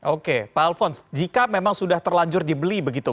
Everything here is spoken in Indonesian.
oke pak alfons jika memang sudah terlanjur dibeli begitu